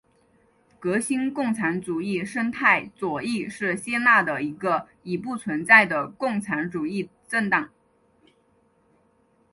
革新共产主义生态左翼是希腊的一个已不存在的共产主义政党。